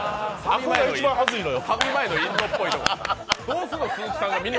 ここが一番はずいのよ。